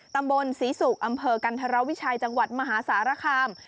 ตำบลศรีศุกร์อำเภอกันธรวิชัยจังหวัดมหาสารคาม